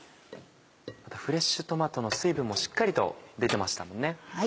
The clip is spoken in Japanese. フレッシュトマトの水分もしっかりと出てましたもんね。